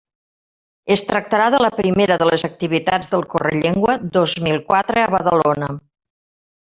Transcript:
Es tractarà de la primera de les activitats del Correllengua dos mil quatre a Badalona.